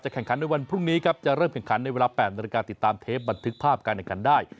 แข่งขันในวันพรุ่งนี้ครับจะเริ่มแข่งขันในเวลา๘นาฬิกาติดตามเทปบันทึกภาพการแข่งขันได้